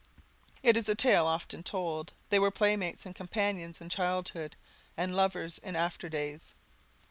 It is a tale often told; they were playmates and companions in childhood, and lovers in after days.